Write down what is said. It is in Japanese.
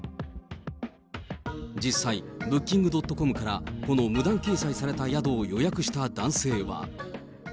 実際、ブッキング・ドットコムからこの無断掲載された宿を予約した男性は。